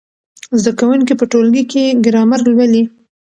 زده کوونکي په ټولګي کې ګرامر لولي.